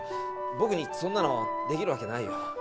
ぼくにそんなのできるわけないよ。